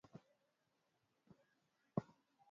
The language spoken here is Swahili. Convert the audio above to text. Namna ya kuwakinga wanyama na ugonjwa wa upele au ukurutu